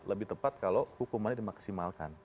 lebih tepat kalau hukumannya dimaksimalkan